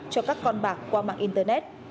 cho các con bạc qua mạng internet